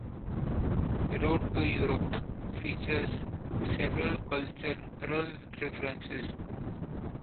"Road to Europe" features several cultural references.